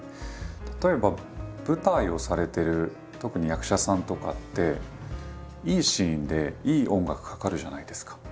例えば舞台をされてる特に役者さんとかっていいシーンでいい音楽かかるじゃないですか。